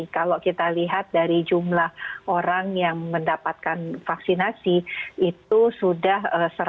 kalau kita lihat dari jumlah orang yang mendapatkan vaksinasi itu sudah seratus